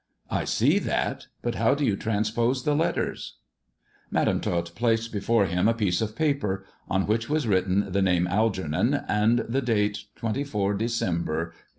I see that ; but how do you transpose the letters 1 " Madam Tot placed before him a piece of paper, on which was written the name Algernon and the date 24 December, 1857.